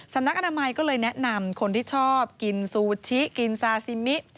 สำนักอนามัยก็เลยแนะนำคนที่ชอบกินซูชิกินซาซิมิ